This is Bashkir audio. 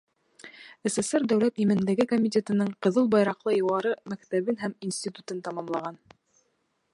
СССР Дәүләт именлеге комитетының Ҡыҙыл байраҡлы юғары мәктәбен һәм институтын тамамлаған.